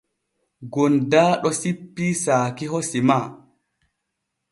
Gondaaɗo sippii saakiho sima.